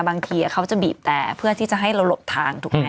บางทีเขาจะบีบแต่เพื่อที่จะให้เราหลบทางถูกไหม